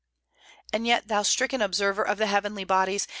And yet, thou stricken observer of the heavenly bodies!